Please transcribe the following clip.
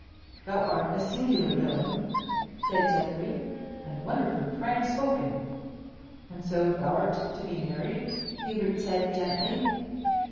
"Thou art a singular villain," said Geoffrey, "and wonderfully frank spoken." "And so thou'rt to be married?" Hubert said gently.